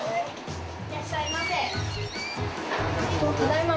いらっしゃいませ。